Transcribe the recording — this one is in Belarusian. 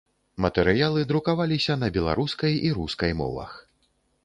Матэрыялы друкаваліся на беларускай і рускай мовах.